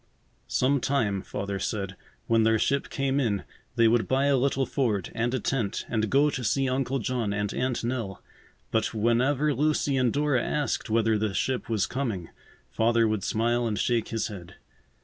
Some time, Father said, when their ship came in, they would buy a little Ford, and a tent, and go to see Uncle John and Aunt Nell. But whenever Lucy and Dora asked whether the ship was coming, Father would smile and shake his head.